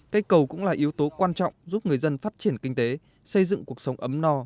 cây cầu cũng là yếu tố quan trọng giúp người dân phát triển kinh tế xây dựng cuộc sống ấm no